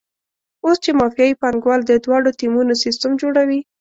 اوس چې مافیایي پانګوال د دواړو ټیمونو سیستم جوړوي.